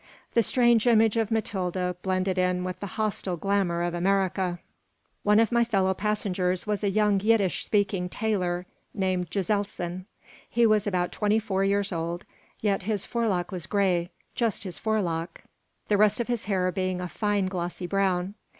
The stern image of Matilda blended with the hostile glamour of America One of my fellow passengers was a young Yiddish speaking tailor named Gitelson. He was about twenty four years old, yet his forelock was gray, just his forelock, the rest of his hair being a fine, glossy brown.